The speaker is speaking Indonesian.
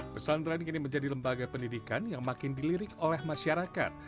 pesantren kini menjadi lembaga pendidikan yang makin dilirik oleh masyarakat